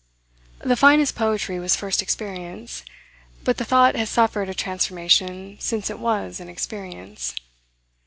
The finest poetry was first experience: but the thought has suffered a transformation since it was an experience.